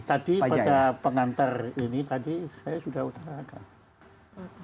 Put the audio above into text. tadi pada pengantar ini tadi saya sudah utarakan